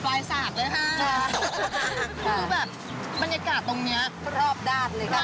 กินแล้วอยากจะบอกว่าแซ่บสุดปลายศาสตร์เลยค่ะ